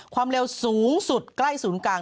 ความเร็วสูงสุดใกล้ศูนย์กลาง